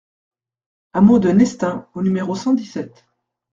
Hameau de Nestin au numéro cent dix-sept